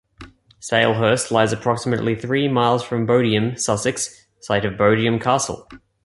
Salehurst lies approximately three miles from Bodiam, Sussex, site of Bodiam Castle.